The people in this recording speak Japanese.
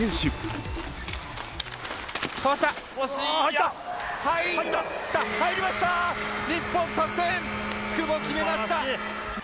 よく決めました。